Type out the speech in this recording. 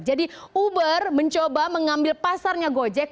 jadi uber mencoba mengambil pasarnya gojek